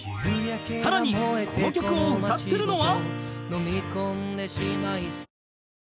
［さらにこの曲を歌ってるのは？］